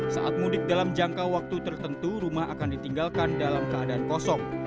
saat mudik dalam jangka waktu tertentu rumah akan ditinggalkan dalam keadaan kosong